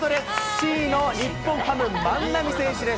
Ｃの日本ハム、万波選手です。